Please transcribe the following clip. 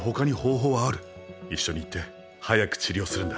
一緒に行って早く治療するんだ。